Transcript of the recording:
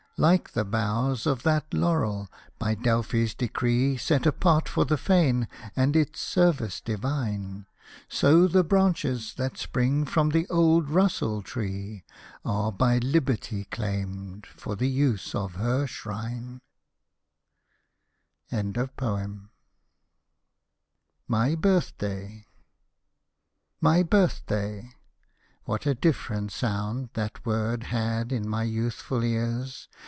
Like the boughs of that laurel, by Delphi's decree Set apart for the Fane and its service divine, So the branches, that spring from the old Russell tree, Are by Liberty clauned for the use of her Shrine. MY BIRTH DAY " My birth day "— what a different sound That word had in my youthful ears